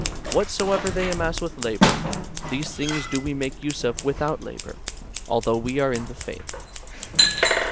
Whatsoever they amass with labour, these things do w'e make use of without labour, although we are in the faith.